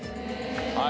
はい。